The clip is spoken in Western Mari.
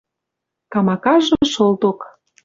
Камакажы шолток